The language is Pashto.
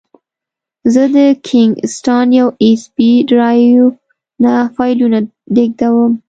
زه د کینګ سټان یو ایس بي ډرایو نه فایلونه لېږدوم.